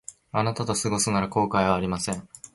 あなたと過ごすなら後悔はありません